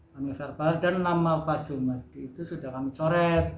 kami serbal dan nama pak jumadi itu sudah kami coret